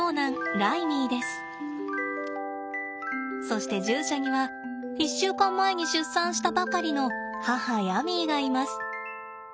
そして獣舎には１週間前に出産したばかりの母ヤミーがいます。